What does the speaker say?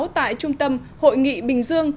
tại trung tâm hội nghị bình dương